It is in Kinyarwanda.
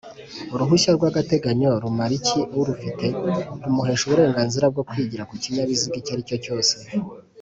uruhushya rwagateganyo rumariki urufite?rumuhesha uburenganzira bwokwigira kukinyabiziga icyo aricyo cyose